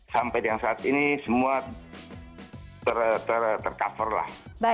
sampai yang saat ini semua ter cover lah